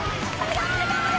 頑張れ頑張れ。